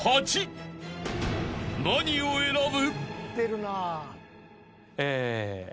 ［何を選ぶ？］